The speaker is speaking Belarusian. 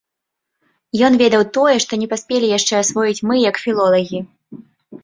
Ён ведаў тое, што не паспелі яшчэ асвоіць мы як філолагі.